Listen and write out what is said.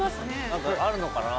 何かあるのかな？